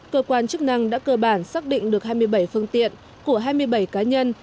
cơ quan chức năng đã cơ bản xác định được hai mươi bảy phương tiện của hai mươi bảy cá nhân